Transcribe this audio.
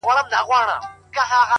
• مُريد ښه دی ملگرو او که پير ښه دی،